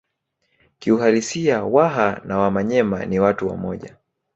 Kiuhalisia Waha na Wamanyema ni watu wamoja